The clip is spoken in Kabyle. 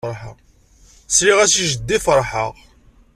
Sliɣ-as i jeddi ferḥeɣ.